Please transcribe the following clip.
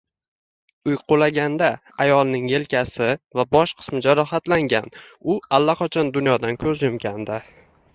Uy qulaganda ayolning yelkasi va bosh qismi jarohatlangan, u allaqachon dunyodan koʻz yumgandi